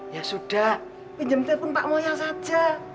ya sudah pinjam telepon pak moya saja